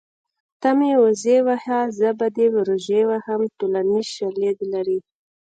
ته مې وزې وهه زه به دې روژې وهم ټولنیز شالید لري